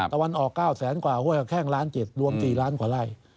ตะวันออก๙แสนกว่าแค่๑ล้าน๗รวม๔ล้านกว่าไร่